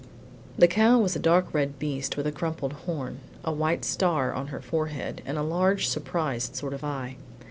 The cow was a dark red beast with a crumpled horn, a white star on her forehead, and a large surprised sort of eye.